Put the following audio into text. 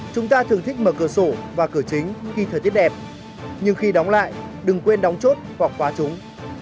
chúng ta thường thích mở cửa sổ và cửa chính khi thời tiết đẹp nhưng khi đóng lại đừng quên đóng chốt hoặc quá chúng